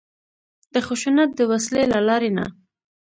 د خشونت د وسلې له لارې نه.